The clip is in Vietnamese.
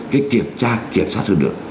cái kiểm tra kiểm sát hơn nữa